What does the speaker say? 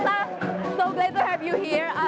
saya sangat senang memiliki anda di sini